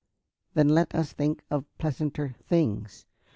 "Then let us think of pleasanter things.